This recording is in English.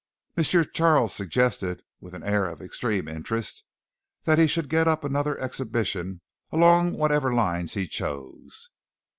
M. Charles suggested, with an air of extreme interest, that he should get up another exhibition along whatever line he chose.